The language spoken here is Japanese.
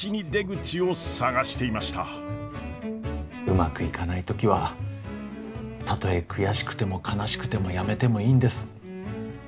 うまくいかない時はたとえ悔しくても悲しくてもやめてもいいんです。